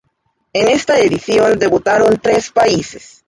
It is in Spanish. En esta edición debutaron tres países.